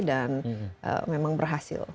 dan memang berhasil